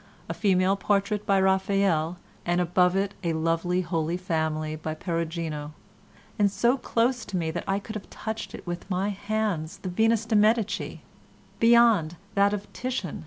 a female portrait by Raphael, and above it a lovely Holy Family by Perugino; and so close to me that I could have touched it with my hand the Venus de' Medici; beyond, that of Titian